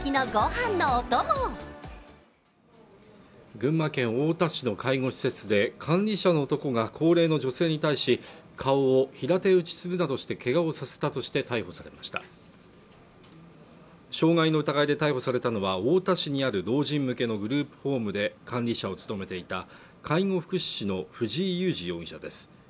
群馬県太田市の介護施設で管理者の男が高齢の女性に対し顔を平手打ちするなどしてけがをさせたとして逮捕されました傷害の疑いで逮捕されたのは太田市にある老人向けのグループホームで管理者を務めていた介護福祉士の藤井祐二容疑者です